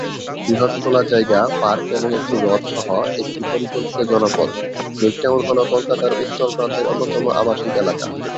বৃহৎ খোলা জায়গা, পার্ক এবং একটি হ্রদ সহ একটি পরিকল্পিত জনপদ, লেক টাউন হল কলকাতার উত্তর প্রান্তের অন্যতম আবাসিক এলাকা।